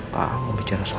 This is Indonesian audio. pak mau bicara soal apa ya